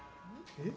えっ？